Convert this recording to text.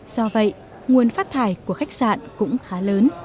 do vậy nguồn phát thải của khách sạn cũng khá lớn